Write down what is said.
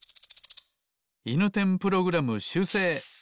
いぬてんプログラムしゅうせい。